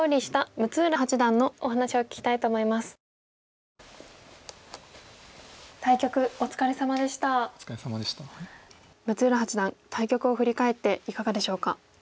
六浦八段対局を振り返っていかがでしょうか？